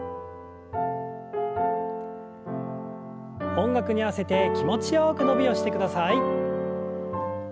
音楽に合わせて気持ちよく伸びをしてください。